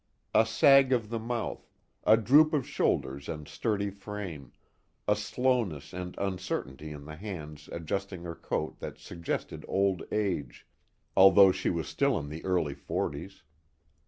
A sag of the mouth, a droop of shoulders and sturdy frame, a slowness and uncertainty in the hands adjusting her coat that suggested old age, although she was still in the early forties.